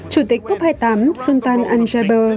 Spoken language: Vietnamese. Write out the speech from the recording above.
chủ tịch cop hai mươi tám sultan al jabbar